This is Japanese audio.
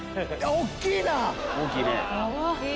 大きいね。